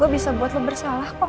gue bisa buat lo bersalah kok